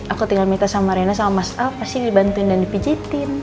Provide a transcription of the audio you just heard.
aku tinggal minta sama rena sama mas al pasti dibantuin dan dipijetin